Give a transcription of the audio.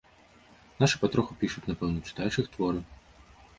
Нашы патроху пішуць, напэўна, чытаеш іх творы.